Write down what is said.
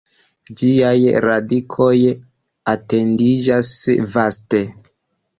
Ĝiaj radikoj etendiĝas vaste.